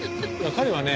彼はね